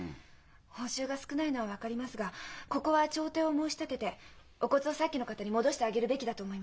報酬が少ないのは分かりますがここは調停を申し立ててお骨をさっきの方に戻してあげるべきだと思います。